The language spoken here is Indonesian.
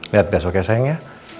lihat besok ya sayang ya